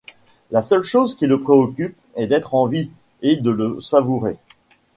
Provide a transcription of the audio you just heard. La seule chose qui le préoccupe est d'être en vie et de le savourer.